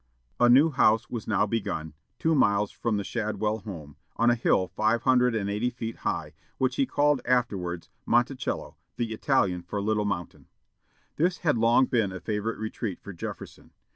A new house was now begun, two miles from the Shadwell home, on a hill five hundred and eighty feet high, which he called afterwards "Monticello," the Italian for "Little Mountain." This had long been a favorite retreat for Jefferson.